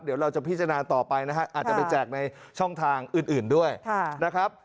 เดี๋ยวเราจะพิจารณาต่อไปนะครับอาจจะไปแจกในช่องทางอื่นด้วยนะครับ